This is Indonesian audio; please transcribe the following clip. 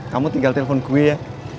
kamu tinggal telepon gue ya